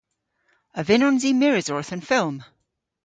A vynnons i mires orth an fylm?